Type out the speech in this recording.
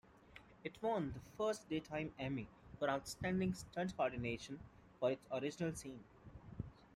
It won the first Daytime Emmy for "Outstanding Stunt Coordination" for its original scenes.